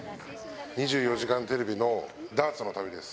２４時間テレビのダーツの旅です。